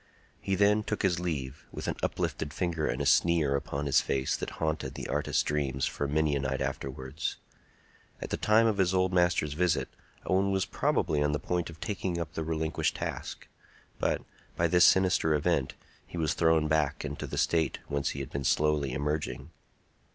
He then took his leave, with an uplifted finger and a sneer upon his face that haunted the artist's dreams for many a night afterwards. At the time of his old master's visit, Owen was probably on the point of taking up the relinquished task; but, by this sinister event, he was thrown back into the state whence he had been slowly emerging.